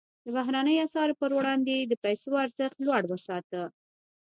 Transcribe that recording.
د بهرنیو اسعارو پر وړاندې یې د پیسو ارزښت لوړ وساته.